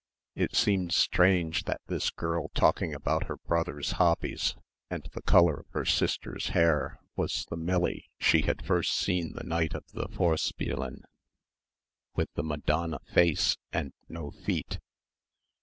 It seemed strange that this girl talking about her brothers' hobbies and the colour of her sister's hair was the Millie she had first seen the night of the Vorspielen with the "Madonna" face and no feet.